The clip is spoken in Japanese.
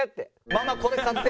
ママこれ買って！